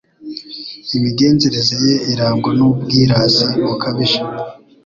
imigenzereze ye irangwa n’ubwirasi bukabije